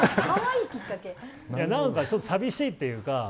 何か、寂しいっていうか